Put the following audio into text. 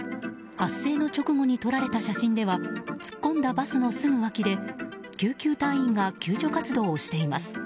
発生の直後に撮られた写真では突っ込んだバスのすぐわきで救急隊員が救助活動をしています。